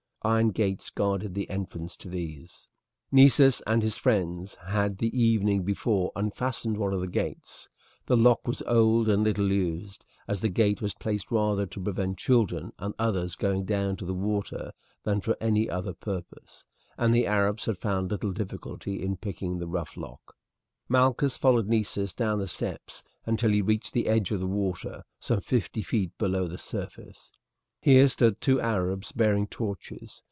Iron gates guarded the entrance to these. Nessus and his friends had the evening before unfastened one of these gates. The lock was old and little used, as the gate was placed rather to prevent children and others going down to the water than for any other purpose, and the Arabs had found little difficulty in picking the rough lock. Malchus followed Nessus down the steps until he reached the edge of the water, some fifty feet below the surface. Here stood two Arabs bearing torches.